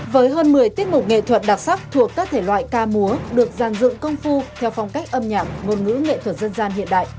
với hơn một mươi tiết mục nghệ thuật đặc sắc thuộc các thể loại ca múa được gian dựng công phu theo phong cách âm nhạc ngôn ngữ nghệ thuật dân gian hiện đại